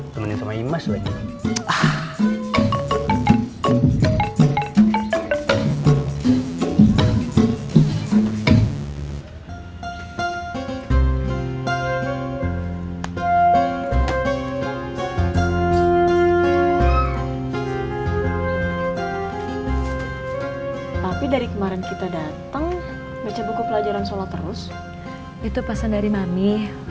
tapi dari kemarin kita datang baca buku pelajaran sholat terus itu pasal dari mami